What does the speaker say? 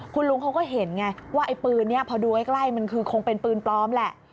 คุณลุงเขาก็เห็นไงว่าไอ้ปืนนี้พอดูใกล้มันคือคงเป็นปืนปลอมแหละ